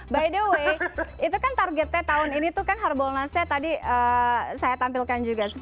by the way itu kan targetnya tahun ini tuh kan harbolnasnya tadi saya tampilkan juga